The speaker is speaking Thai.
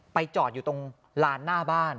จอดอยู่ตรงลานหน้าบ้าน